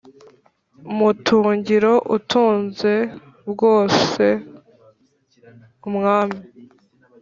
matungiro: utunze byose (umwami)